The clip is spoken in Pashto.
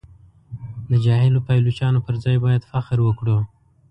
د جاهلو پایلوچانو پر ځای باید فخر وکړو.